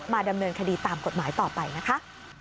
ดำเนินคดีตามกฎหมายต่อไปนะคะ